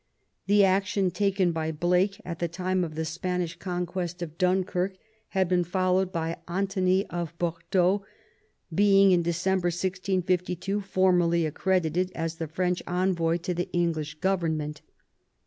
The action taken by Blake at the time of the Spanish con quest of Dunkirk had been followed by Antony of Bordeaux being in December 1652 formally accredited as the French envoy to the English government.